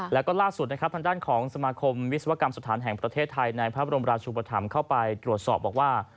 แล้วก็ล่าสุดนะครับทางด้านของสมาคมวิศวกรรมสถานแห่งประเทศไทยในพระบรมราชุปธรรมเข้าไปตรวจสอบบอกว่า